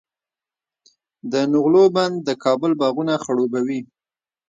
د نغلو بند د کابل باغونه خړوبوي.